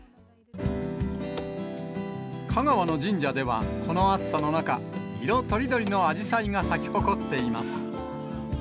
香川の神社ではこの暑さの中、色とりどりのあじさいが咲き誇っています。